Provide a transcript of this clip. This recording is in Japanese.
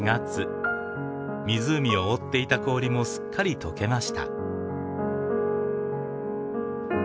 湖を覆っていた氷もすっかり解けました。